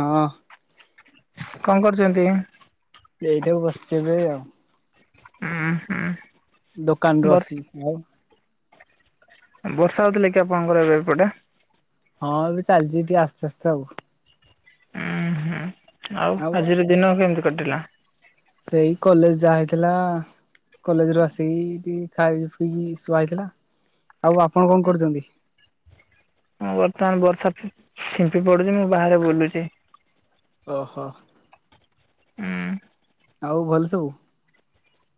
ହଁ କଣ କରୁଛନ୍ତି? ଏଇଠାକୁ ବସିଛି ଏବେ ଆଉ। ହୁଁ ହୁଁ। ଦୋକାନରୁୁ ବର୍ଷ ଅସିଲି ଆଉ। ବର୍ଷା ହଉଥିଲା କି ଆପଣଙ୍କର ଏବେ ଏପଟେ? ହଁ ଏବେ ଚାଲିଛି ଟିକେ ଆସ୍ତେ ଆସ୍ତେ ଆଉ। ଉୁଁ ହୁଁ ଆଉ ଆଜିର ଦିନ କେମିତି କଟିଲା? ସେଇ କଲେଜ ଯାଆ ହେଇଥିଲା। କଲେଜରୁ ଆସିକି ଟିକେ ଖାଇ ପିଇକି ଶୁଆ ହେଇଥିଲା ଆଉ ଆପଣ କଣ କରୁଛନ୍ତି? ମୁଁ ବର୍ତ୍ତମାନ ବର୍ଷା ଫିମ୍ପି ପଡୁଛି ମୁଁ ବାହାରେ ବୁଲୁଛି। ଓହୋ। [unintelligible] ଆଉ ଭଲ ସବୁ?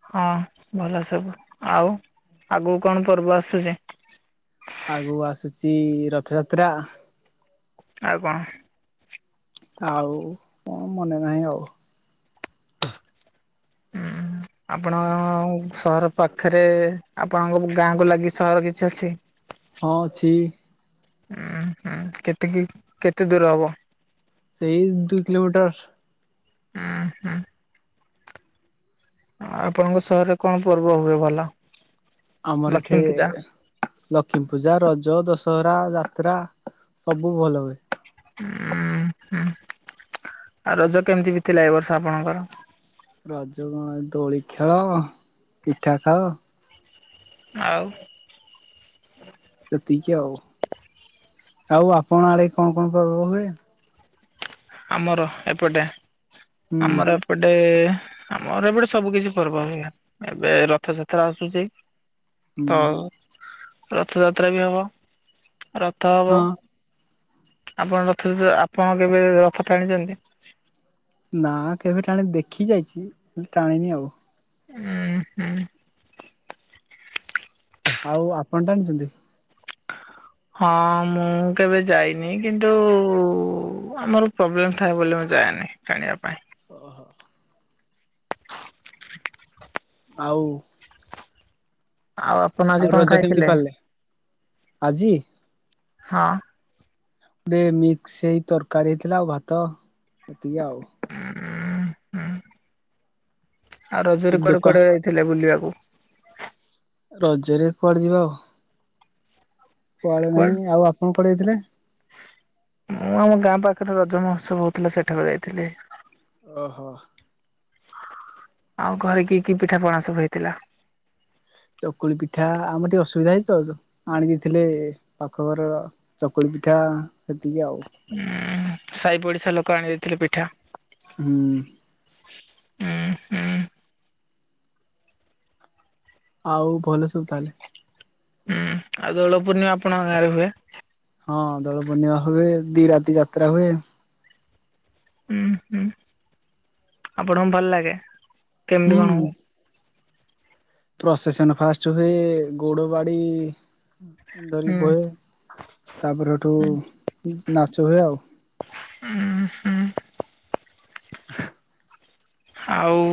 ହଁ ଭଲ ସବୁ ଆଉ ଆଗକୁ କଣ ପର୍ବ ଆସୁଛି? ଆଗକୁ ଆସୁଛି ରଥଯାତ୍ରା। ଆଉ କଣ? ଆଉ କଣ ମନେ ନାହିଁ ଆଉ। ଉଁ ଆପଣ ସହର ପାଖରେ ଆପଣଙ୍କ ଗାଁ କୁ ଲାଗି ସହର କିଛି ଅଛି? ହଁ ଅଛି। ଉୁଁ ହୁଁ କେତକି କେତେ ଦୂର ହବ? ଏଇ ଦୁଇ କିଲୋମିଟର। ହୁଁ ହୁଁ। ଆପଣଙ୍କ ସହରରେ କଣ ପର୍ବ ହୁଏ ଭଲ? ଆମର ଏଠି ଲକ୍ଷ୍ମୀ ପୂଜା? ଲଖି ପୂଜା ରଜ ଦଶହରା ଯାତ୍ରା ସବୁ ଭଲ ହୁଏ। ହୁଁ ହୁଁ ଆଉ ରଜ କେମିତି ବିତିଲା ଏ ବର୍ଷ ଆପଣଙ୍କର? ରଜ କଣ ଦୋଳି ଖେଳ ପିଠା ଖାଅ। ଆଉ ଏତିକି ଆଉ ଆଉ ଆପଣ ଆଡେ କଣ କଣ ପର୍ବ ହୁଏ? ଆମର ଏପଟେ ହୁଁ ଆମର ଏପ ଏପଟେ ଆମର ଏପଟେ ସବୁ କିିଛି ପର୍ବ ହୁଏ। ଏବେ ରଥଯାତ୍ରା ଆସୁଛି। ହୁଁ ତ ରଥଯାତ୍ରା ବି ହବ। ରଥ ହବ ହଁ ଆପଣ ରଥ ଆପଣ କେବେ ରଥ ଟାଣିଛନ୍ତି? ନା କେବେ ଟାଣି ଦେଖି ଯାଇଛି ହେଲେ ଟାଣିନି ଆଉ। ଉଁ ହୁଁ। ଆଉ ଆପଣ ଟାଣିଚନ୍ତି? ହଁ ମୁଁ କେବେ ଯାଇନି କିନ୍ତୁ ଆମର ପ୍ରୋବ୍ଲେମ ଥାଏ ବୋଲି ମୁଁ ଯାଏନି। ଟାଣିବା ପାଇଁ। ଓହୋ। ଆଉ। ଆଉ ଆପଣ ଆଉ ଆଜି କଣ ରଜ କେମିତି ଖାଇଥିଲେ? ପାଳିଲେ? ଆଜି ହଁ। ଗୋଟେ ମିକ୍ସ ହେଇ ତରକାରୀ ହେଇଥିଲା ଆଉ ଭାତ ଏତିକି ଆଉ। ଉଁ ଆଉ ରଜରେ କୁଆଡେ ଦୋକାନ କୁଆଡେ ଯାଇଥିଲେ ବୁଲିବାକୁ? ରଜରେ କୁଆଡେ ଯିବା ଆଉ। କୁଆଡେ ନାହିଁ ଆଉ ଆପଣ କୁଆଡେ ଯାଇଥିଲେ? ମୁଁ ଆମ ଗାଁ ପାଖରେ ରଜ ମହୋତ୍ସବ ହଉଥିଲା ସେଠାକୁ ଯାଇଥିଲି। ଓହୋ। ଆଉ ଘରେ କି କି ପିଠା ପଣା ସବୁ ହେଇଥିଲା? ଚକୁଳି ପିଠା ଆମର ଟିକେ ଅସୁବିଧା ହେଇଚି ତ ଆଣି ଦେଇ ଥିଲେ ପାଖଘର। ଚକୁଳି ପିଠା ହେତିକି ଆଉ। ଉଁ ସାଇ ପଡିଶା ଲୋକ ଆଣି ଦେଇଥିଲେ ପିଠା। ହୁଁ। ଉଁ ହୁଁ। ଆଉ ଭଲ ସବୁ ତାହେଲେ। ଉଁ ଆଉ ଦୋଳ ପୂର୍ଣ୍ଣିମା ଆପଣଙ୍କ ଗାଁରେ ହୁଏ। ହଁ ଦଳ ପୂର୍ଣିମା ହୁଏ ଦି ରାତି ଯାତ୍ରା ହୁଏ। ଉଁ ହୁଁ ଆପଣଙ୍କୁ ଭଲ ଲାଗେ ହୁଁ କେମିତି କଣ ହୁ ପ୍ରସେସନ ଫାଷ୍ଟ ହୁଏ ଗୋଡ ବାଡି ଧରି ହୁଁ ବହେ। ତାପରେ ହେଠୁ ନାଚ ହୁଏ ଆଉ। ଉୁଁ ହୁଁ। ଆଉ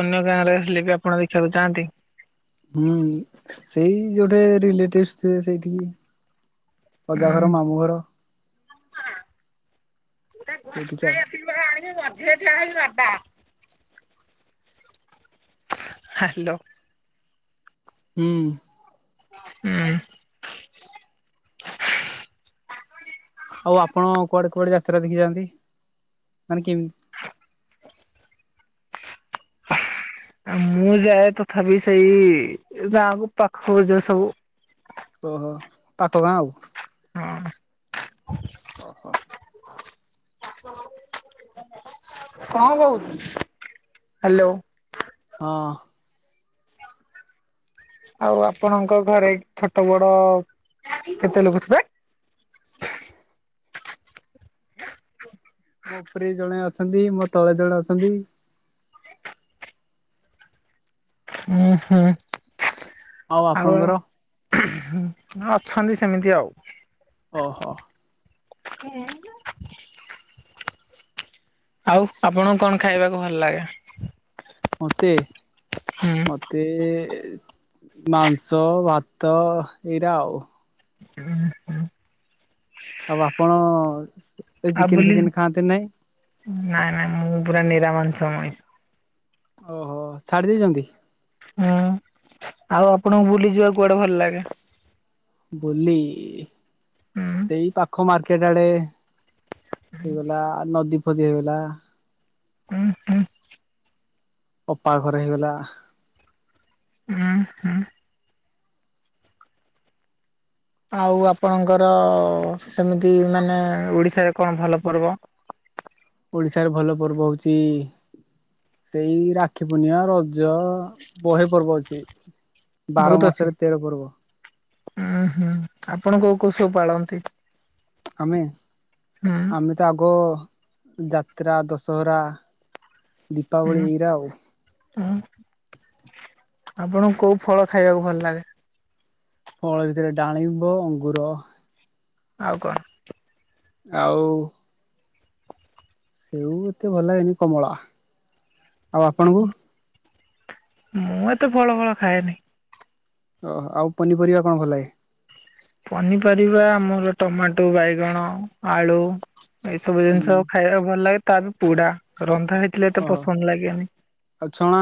ଅନ୍ୟ ଗାଁରେ ହେଲେ ବି ଆପଣ ଦେଖିବାକୁ ଯାଆନ୍ତି। ହୁଁ ସେଇ ଯୋଉଠେ ରିଲେଟିଭସ୍ ଥିବେ ସେଇଠିକି। ଅଜା ଉଁ ଘର, ମାମୁଁ ଘର ସେଇଠିକି ଆଉ। [unintelligible] ହାଲୋ। ହୁଁ। ଉଁ। ଆଉ ଆପଣ କୁଆଡେ କୁଆଡେ ଯାତ୍ରା ଦେଖି ଯାଆନ୍ତି? ମାନେ କିମି ମୁଁ ଯାଏ ତଥାପି ସେଇ ଗାଁକୁ ପାଖ କୁ ଯୋଉ ସବୁ। ଓହୋ ପାଖ ଗାଁ ଆଉ। ହଁ। ଓହୋ। [unintelligible] ହାଲୋ। ହଁ। ଆଉ ଆପଣଙ୍କ ଘରେ ଖେତେ ବଡ କେତେ ଲୋକ ଥିବେ? ମୋ ଉପରେ ଜଣେ ଅଛନ୍ତି, ମୋ ତଳେ ଜଣେ ଅଛନ୍ତି। ଉଁ ହୁଁ ଆଉ। ଅଛନ୍ତି ସେମିତି ଆଉ। ଓହୋ। [unintelligible] ଆଉ ଆପଣଙ୍କୁ କଣ ଖାଇବାକୁ ଭଲ ଲାଗେ? ମୋତେ ହୁଁ। ମ ତେ ମାଂସ ଭାତ ଏଇରା ଆଉ। ଅଁ, ହଁ। ଆଉ ଆପଣ ଏ ଆଉ ଚିକେନ୍ ବୁଲି ଫିକେନ୍ ଖାଆନ୍ତି ନାଇଁ? ନାଇଁ ନାଇଁ ମୁଁ ପୁରା ନିରାମାଂଷ ମଣିଷ। ଓହୋ! ଛାଡି ଦେଇଛନ୍ତି? ହଁ, ଆଉ ଆପଣଙ୍କୁ ବୁଲି ଯିବା କୁଆଡେ ଭଲ ଲାଗେ? ବୁଲି ହୁଁ ସେଇ ପାଖ ମାର୍କେଟ୍ ଆଡେ। ହେଇଗଲା ନଦୀ ଫଦୀ ହେଇଗଲା। ଅଁ, ହଁ। ଅପା ଘର ହେଇଗଲା। ଅଁ, ହଁ। ଆଉ ଆପଣଙ୍କର ସେମିତି ମାନେ ଓଡିଶାରେ କଣ ଭଲ ପର୍ବ? ଓଡ଼ିଶାରେ ଭଲ ପର୍ବ ହଉଚି ସେଇ ରାକ୍ଷୀ ପୂର୍ଣ୍ଣିମା, ରଜ ବହେ ପର୍ବ ଅଛି। ବାର ବହୁତ ଅଛି ମାସରେ ତେର ପର୍ବ। ଉଁ, ହୁଁ ଆପଣ କୋଉ କୋଉ ସବୁ ପାଳନ୍ତି? ଆମେ ହୁଁ ଆମେ ସେ ଆଗ ଯାତ୍ରା, ଦଶହରା, ଦୀପାବଳି ଏଇରା ଆଉ। ଅଁ, ହଁ ଆପଣଙ୍କୁ କୋଉ ଫଳ ଖାଇବାକୁ ଭଲ ଲାଗେ? ଫଳ ଭିତରେ ଡାଳିମ୍ବ, ଅଙ୍ଗୁର। ଆଉ କଣ? ଆଉ ସେଉ ଏତେ ଭଲ ଲାଗେନି କମଳା। ଆଉ ଆପଣଙ୍କୁ [unintelligible] ମୁଁ ଏତେ ଫଳ ଫଳ ଖାଏନି। ଓ ହୋ, ଆଉ ପନିପରିବା କଣ ଭଲ ଲାଗେ? ପନିପରିବା ଆମର ଟମାଟୋ, ବାଇଗଣ, ଆଳୁ ଏଇସବୁ ଜିନିଷ ହୁଁ ଖାଇବା ଭଲ ଲାଗେ ତା ବି ପୁଡା। ରନ୍ଧା ହେଇଥିଲେ ଏତେ ଓହ ପସନ୍ଦ ଲାଗେନି। ଆଉ ଛଣା?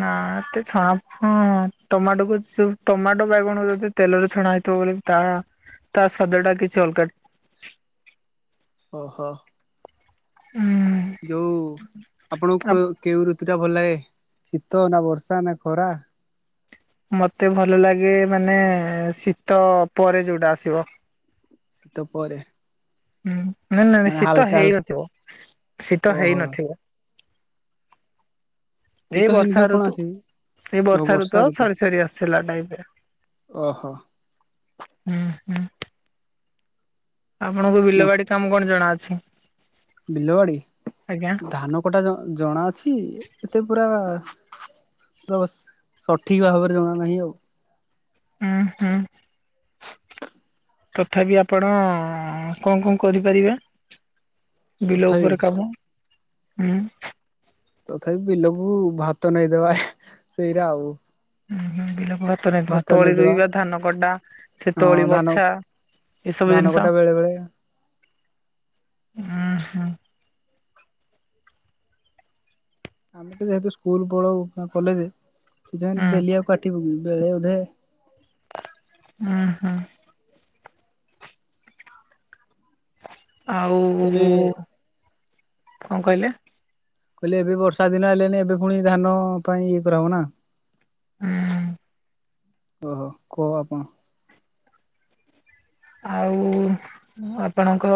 ନା ଏତେ ଛଣା ଫଆଁ ଟମାଟୋକୁ ସବୁ ଟମାଟୋ ବାଇଗଣ ଯଦି ତେଲରେ ଛଣା ହେଇଥିବ ବୋଲି ତା ତା ସ୍ଵାଦ ଟା କିଛି ଅଲଗା। ଓହୋ। ହୁଁ। ଯୋଉ ଆପଣ କ-କେଉଁ ଋତୁ ଟା ଭଲ ଲାଗେ ଶୀତ ନା ବର୍ଷା ନା ଖରା? ମୋତେ ଭଲ ଲାଗେ ମାନେ ଶୀତ ପରେ ଯୋଉଟା ଆସିବ। ଶୀତ ପରେ? ହୁଁ, ନା ନାଇଁ ନାଇଁ ମାନେ ଶୀତ ହାଲକା ହାଲ ହେଇ ନଥିବ, ଶୀତ ଓହୋ ହେଇ ନଥିବ। ଶୀତ ଏଇ ହେଇନି ବର୍ଷା ଯୋଉ କଣ ଋତୁ, ଆସେ ଏଇ ବର୍ଷା ଋତୁ ଆଉ ସରି ସରି ଆସିଲା ଟାଇମ୍ ରେ। ଓହୋ! ହୁଁ, ହୁଁ। ଆପଣଙ୍କୁ ମ ବିଲ ବାଡି କାମ କଣ ଜଣା ଅଛି? ବିଲବାଡି, ଆଜ୍ଞା ଧାନ କଟା ଜଣା ଅଛି ଏତେ ପୁରା ତସ୍ ସଠିକ୍ ଭାବରେ ଜଣା ନାହିଁ ଆଉ। ଅଁ, ହଁ। ତଥାବି ଆପଣ କଣ କଣ କରିପାରିବେ? ବିଲ ତଥାପି ଉପରେ କାମ ଉଁ,? ତଥାପି ବିଲକୁ ଭାତ ନେଇ ଦେବା ସେଇରା ଆଉ। ଉଁ, ହୁଁ, ବିଲାକୁ ଭାତ ନେଇଥିବ। ତଳି ରୁଇବା, ଧାନ କଟା ସେ ହଁ ତଳି ଧାନ ବଛା। ଏସବୁ ଧାନ ଜିନିଷ କଟା ବେଳେ ବେଳେ ଉଂଁହ୍ନୁ ଆମେ ତ ଯେହେତୁ ସ୍କୁଲ ପଳଉ କଲେଜ ହୁଁ [unintelligible] ଡେଲି ଆଉ କାଟିବୁ କି ବେଳେ ଅଧେ ଉଂହଁ ଆଉ ଏବେ କଣ କହିଲେ? କହିଲେ ଏବେ ବର୍ଷା ଦିନ ହେଲେଣିି ଏବେ ପୁଣି ଧାନ ପାଇଁ ଇଏ କରାବ ନା। ହଁ ଓହ କୁହ ଆପଣ। ଆଉ ଆପଣଙ୍କ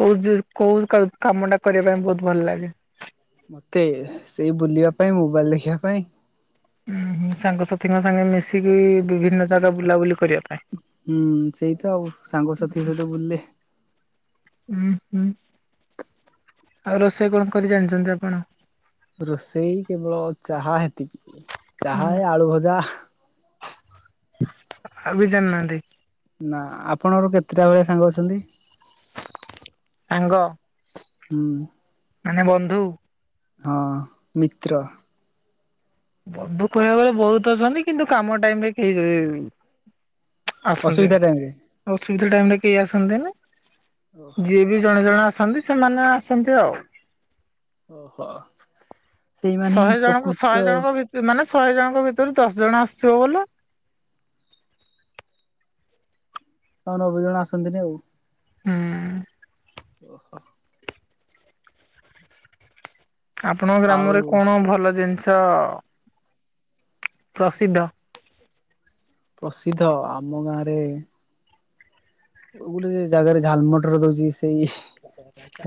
କୋଉ କୋଉ କାମ ଟା କରିବା ପାଇଁ ବହୁତ ଭଲ ଲାଗେ? ମତେ ସେଇ ବୁଲିବା ପାଇଁ ମୋବାଇଲ ଦେଖିବା ପାଇଁ। ଉ ସାଙ୍ଗସାଥିଙ୍କ ସାଙ୍ଗେ ମିଶିକି ବିଭିନ୍ନ ଜାଗା ବୁଲାବୁଲି କରିବା ପାଇଁ। ହୁଁ ସେଇ ତ ଆଉ ସାଙ୍ଗସାଥି ସହିତ ବୁଲିଲେ ହୁଁ ହୁଁ, ଆଉ ରୋଷେଇ କଣ କରି ଜାଣିଛନ୍ତି ଆପଣ? ରୋଷେଇ କେବଳ ଚାହା ହେତିକି। ଚାହା ଆଳୁ ଭଜା ଆ କୀ ଜାଣିନାହାନ୍ତି? ନା ଆପଣର କେତେଟା ଭଳିଆ ସାଙ୍ଗ ଅଛନ୍ତି? ସାଙ୍ଗ ହଁ ମାନେ ବନ୍ଧୁ ହଁ ମିତ୍ର ବନ୍ଧୁ କହିବା ବଳେ ବହୁତ ଅଛନ୍ତି କିନ୍ତୁ କାମ ଟାଇମ ରେ କେହି [unintelligible] ଆସନ୍ତି, ଅସୁବିଧା ଟାଇମ୍ ରେ ଅସୁବିଧା ଟାଇମ ରେ କେହି ଆସନ୍ତିନି ଓହୋ ଯିଏ ବି ଜଣେ ଜଣେ ଆସନ୍ତି ସେମାନେ ଆସନ୍ତି ଆଉ। ଓହୋ, ସେଇମାନେ ଶହେ ହିଁ ଜଣଙ୍କୁ ଶହେ ପ୍ରକୃତ ଜଣଙ୍କ ମାନେ ଶହେ ଜଣଙ୍କ ଭିତରୁ ଦଶ ଜଣ ଆସୁଥିବ ବୋଲେ ହ ନବେ ଜଣ ଆସନ୍ତିନି ଆଉ। ହୁଁ ଓହୋ ଆପଣଙ୍କ ଆଉ ଗ୍ରାମରେ କଣ ଭଲ ଜିନିଷ ପ୍ରସିଦ୍ଧ? ପ୍ରସିଦ୍ଧ ଆମ ଗାଁରେ ଗୋଟେ ଜାଗାରେ ଝାଲମଟର ଦଉଛି ସେଇ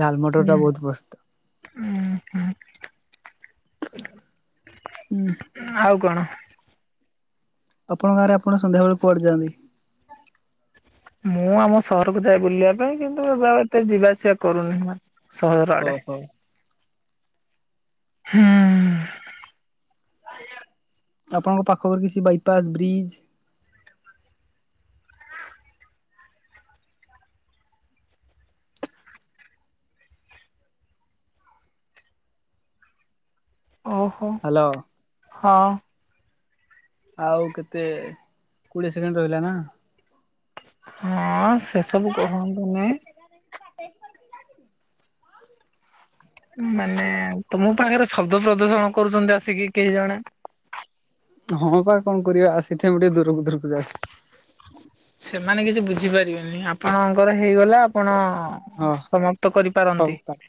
ଝାଲମଟର ଟା ବହୁତ ପ୍ରସିଦ୍ଧ। ଓ ହ ଉଁ ଆଉ କଣ? ଆପଣ ଗାଁରେ ଆପଣ ସନ୍ଧ୍ୟାବେଳେ କୁଆଡି ଯାଆନ୍ତି? ମୁଁ ଆମ ସହରକୁ ଯାଏ ବୁଲିବା ପାଇଁ କିନ୍ତୁ ବା ଏତେ ଯିବାଆସିବା କରୁନି ସହର ଆଡେ। ଓହୋ। ହୁଂ ଆପଣଙ୍କ ପାଖରେ କିଛି ବାଇପାସ୍ ବ୍ରିଜ୍ ଓହୋ ହ୍ୟାଲୋ ହଁ ଆଉ କେତେ କୋଡିଏ ସେକେଣ୍ଡ ରହିଲା ନା? ହଁ ସେସବୁ କହନ୍ତୁନି। ବାଟେ [inaudible] ମାନେ ତମ ପାଖରେ ଶବ୍ଦ ପ୍ରଦର୍ଶଣ କରୁଛନ୍ତି ଆସିକି କେହି ଜଣେ? ହଁ ବା କଣ କରିବା ଆସିଥିବ ମୁଁ ଟିକେ ଦୂରକୁ ଦୂରକୁ ଯାଏ। ସେମାନେ କିଛି ବୁଝିପାରିବେନି ଆପଣଙ୍କର ହେଇଗଲା ଆପଣ ହଁ ସମାପ୍ତ ହଉ କରିପାରନ୍ତି? କାଟ।